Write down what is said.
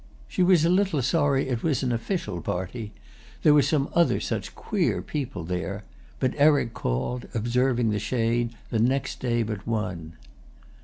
She was a little sorry it was an official party—there were some other such queer people there; but Eric called, observing the shade, the next day but one.